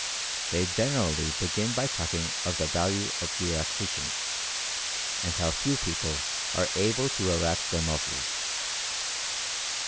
They generally begin by talking of the value of relaxation, and how few people are able to relax their muscles.